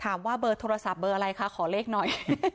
เบอร์โทรศัพท์เบอร์อะไรคะขอเลขหน่อย